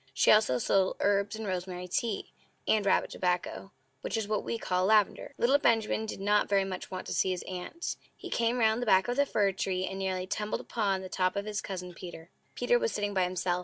She also sold herbs, and rosemary tea, and rabbit tobacco (which is what we call lavender). Little Benjamin did not very much want to see his Aunt. He came round the back of the fir tree, and nearly tumbled upon the top of his Cousin Peter. Peter was sitting by himself.